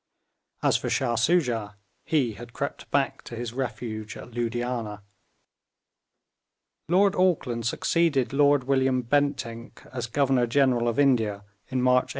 As for Shah Soojah, he had crept back to his refuge at Loodianah. Lord Auckland succeeded Lord William Bentinck as Governor General of India in March 1836.